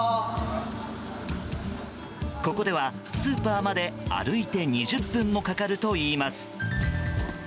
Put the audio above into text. ここではスーパーまで歩いて２０分もかかるといいます。